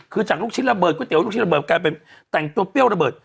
คือจากลูกชิ้นระเบิก๋วเตี๋ลูกชิ้นระเบิดกลายเป็นแต่งตัวเปรี้ยวระเบิด